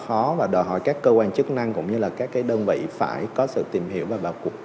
thật sự rất là khó và đòi hỏi các cơ quan chức năng cũng như là các đơn vị phải có sự tìm hiểu và bảo cục